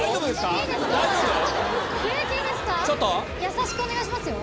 優しくお願いしますよ。